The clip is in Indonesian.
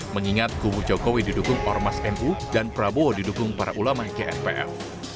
mengingat kubu jokowi didukung ormas nu dan prabowo didukung para ulama gnpf